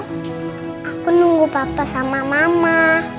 aku nunggu bapak sama mama